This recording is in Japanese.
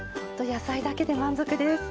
野菜だけで満足です。